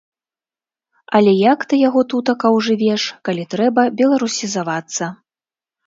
Але як ты яго тутака ўжывеш, калі трэба беларусізавацца.